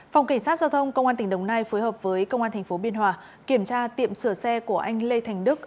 phòng cảnh sát giao thông công an tỉnh đồng nai phối hợp với công an tp biên hòa kiểm tra tiệm sửa xe của anh lê thành đức